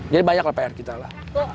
jadi banyak lah pr kita lah